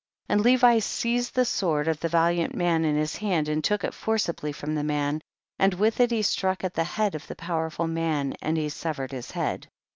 39. And Levi seized the sword of the valiant man in his hand, and took it forcibly from the man, and with it he struck at the head of the power ful man, and he severed his head.